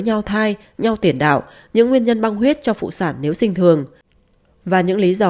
nhau thai nhau tiền đạo những nguyên nhân băng huyết cho phụ sản nếu sinh thường và những lý do